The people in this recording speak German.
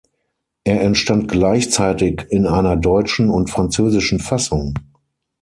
Er entstand gleichzeitig in einer deutschen und französischen Fassung.